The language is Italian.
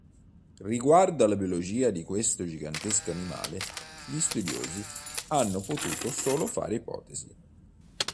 Riguardo alla biologia di questo gigantesco animale, gli studiosi hanno potuto solo fare ipotesi.